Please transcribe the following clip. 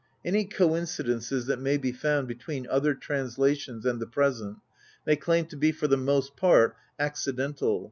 Any coincidences that may be found between other translations and the present may claim to be for the most part accidental.